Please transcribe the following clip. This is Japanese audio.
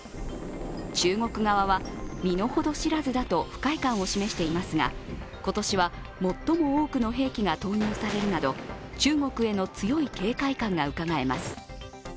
中国側は身の程知らずだと不快感を示していますが今年は最も多くの兵器が投入されるなど中国への強い警戒感がうかがえます。